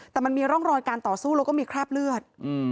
แต่มันมีร่องรอยการต่อสู้แล้วก็มีคราบเลือด